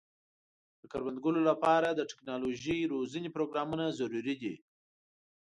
د کروندګرو لپاره د ټکنالوژۍ روزنې پروګرامونه ضروري دي.